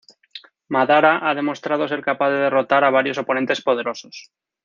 Madara ha demostrado ser capaz de derrotar a varios oponentes poderosos.